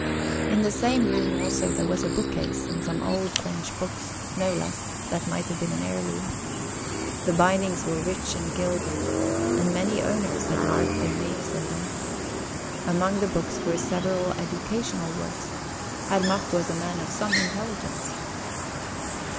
In the same room, also, there was a bookcase, and some old French books, no less, that might have been an heirloom. The bindings were rich and gilded, and many owners had marked their names in them. Among the books were several educational works; Herr Mack was a man of some intelligence.